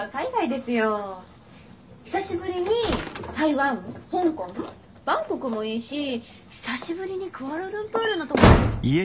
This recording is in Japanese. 久しぶりにィ台湾香港バンコクもいいし久しぶりにクアラルンプールの友達。